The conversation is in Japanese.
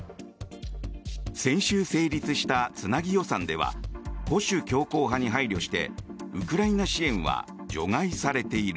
先週成立したつなぎ予算では保守強硬派に配慮してウクライナ支援は除外されている。